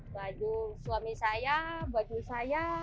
baju suami saya baju saya